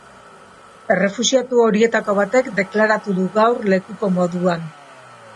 Errefuxiatu horietako batek deklaratu du gaur lekuko moduan.